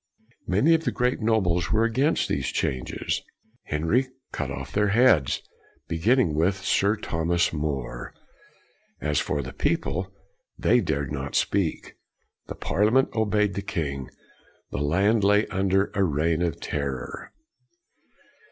Many of the great nobles were against these changes; Henry cut off their heads, beginning with Sir Thomas More. As for the people, they dared not speak. The Parliament obeyed the king. The land lay under a reign of terror.